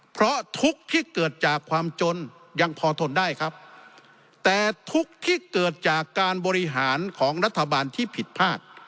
เพราะทุกข์ที่เกิดจากความจนยังพอทนได้ครับแต่ทุกข์ที่เกิดจากการบริหารของรัฐบาลที่ผิดพลาด